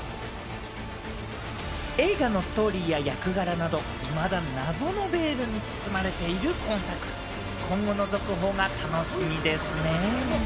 映画のストーリーや役柄など、いまだ謎のベールに包まれている今作、今後の続報が楽しみですね。